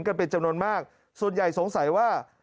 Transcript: กันเป็นจำนวนมากส่วนใหญ่สงสัยว่า